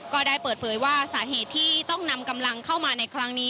ก็ได้เปิดเผยว่าสาเหตุที่ต้องนำกำลังเข้ามาในครั้งนี้